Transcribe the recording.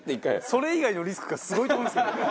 それ以外のリスクがすごいと思いますよ。